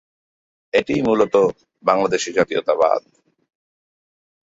এটিই মুলত বাংলাদেশী জাতীয়তাবাদ।